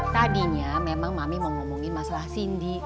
tadinya memang mami mau ngomongin masalah sindi